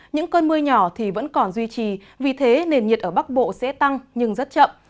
những cơn mưa nhỏ thì vẫn còn duy trì vì thế nền nhiệt ở bắc bộ sẽ tăng nhưng rất chậm